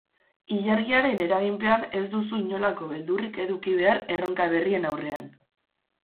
Ilargiaren eraginpean ez duzu inolako beldurrik eduki behar erronka berrien aurrean.